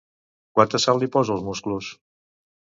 Quanta sal li poso als musclos?